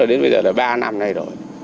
đến bây giờ là ba năm nay rồi